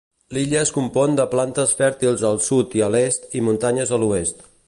L'illa es compon de planes fèrtils al sud i a l'est i muntanyes a l'oest.